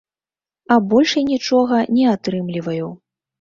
А больш я нічога не атрымліваю.